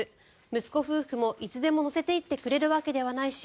息子夫婦もいつでも乗せていってくれるわけではないし